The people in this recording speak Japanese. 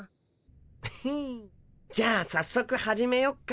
フフンじゃあさっそく始めよっか。